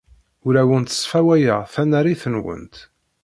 Ur awent-sfawayeɣ tanarit-nwent.